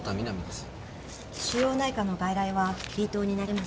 腫瘍内科の外来はＢ棟になります。